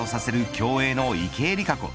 競泳の池江璃花子。